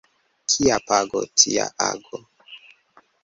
Kia pago, tia ago.